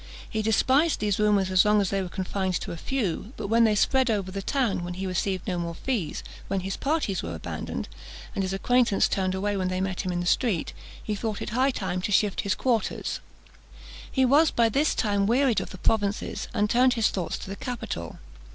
He despised these rumours as long as they were confined to a few; but when they spread over the town, when he received no more fees, when his parties were abandoned, and his acquaintance turned away when they met him in the street, he thought it high time to shift his quarters. [Illustration: HOUSE OF CAGLIOSTRO, PARIS.] He was by this time wearied of the provinces, and turned his thoughts to the capital.